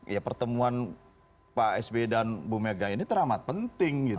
ya pertemuan pak sby dan bu mega ini teramat penting gitu